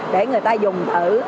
để người ta dùng thử